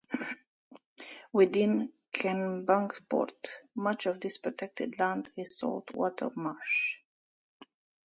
Within Kennebunkport, much of this protected land is salt-water marsh.